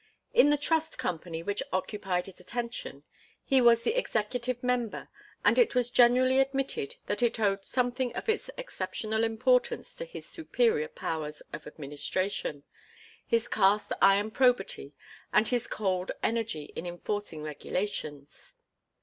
In the Trust Company which occupied his attention he was the executive member, and it was generally admitted that it owed something of its exceptional importance to his superior powers of administration, his cast iron probity and his cold energy in enforcing regulations.